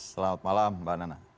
selamat malam mbak nana